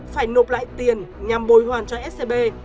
phải nộp lại tiền nhằm bồi hoàn cho scb